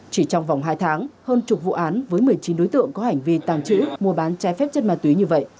chỉ trong vòng hai tháng hơn chục vụ án với một mươi chín đối tượng có hành vi tàng trữ mua bán trái phép chất ma túy như vậy